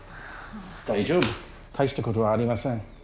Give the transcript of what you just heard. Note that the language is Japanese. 大丈夫大したことはありません。